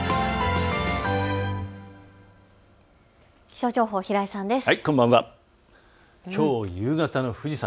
気象情報、平井さんです。